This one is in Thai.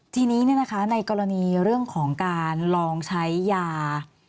ทีนี้ในกรณีเรื่องของการลองใช้ยา